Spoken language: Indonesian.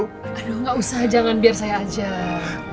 aduh gak usah jangan biar saya aja